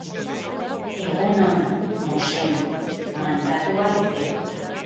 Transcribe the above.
Egunon, Mosen, mandatua bete dut.